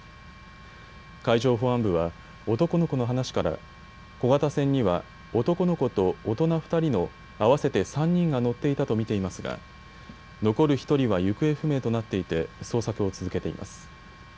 海上保安部は男の子の話から小型船には男の子と大人２人の合わせて３人が乗っていたと見ていますが残る１人は行方不明となっていて捜索を続けています。